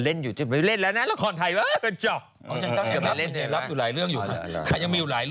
เล่นอยู่เล่นแล้วนะละครไทย